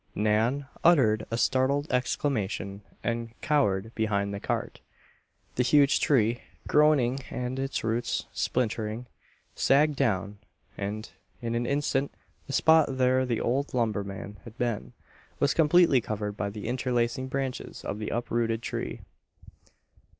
Nan uttered a startled exclamation and cowered behind the cart. The huge tree, groaning and its roots splintering, sagged down and, in an instant, the spot there the old lumberman had been, was completely covered by the interlacing branches of the uprooted tree.